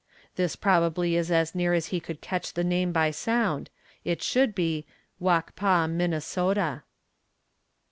This probably is as near as he could catch the name by sound; it should be, Wak pa Minnesota.